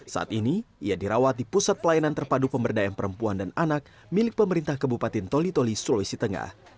saat ini ia dirawat di pusat pelayanan terpadu pemberdayaan perempuan dan anak milik pemerintah kebupaten toli toli sulawesi tengah